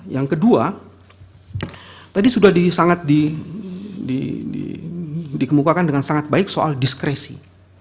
yang kedua tadi sudah sangat dikemukakan dengan sangat baik soal diskresi